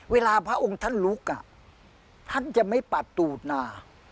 พระองค์ท่านลุกท่านจะไม่ปัดตูดนา